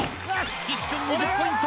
岸君２０ポイント！